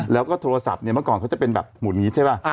แล้วก็โทรศัพท์เนี่ยเมื่อก่อนเขาจะเป็นแบบหมุนอย่างนี้ใช่ป่ะ